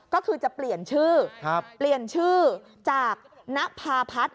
ก็คือจะเปลี่ยนชื่อเปลี่ยนชื่อจากนภาพัฒน์